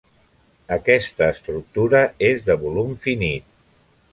Aquesta estructura és de volum finit.